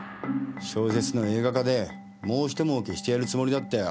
小説の映画化でもう一儲けしてやるつもりだったよ。